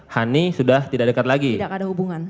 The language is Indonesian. hani sudah tidak dekat lagi tidak ada hubungan